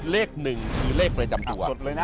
เลขหนึ่งคือเลขในจำตัว